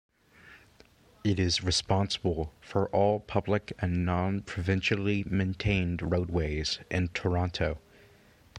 It is responsible for all public and non-provincially maintained roadways in Toronto.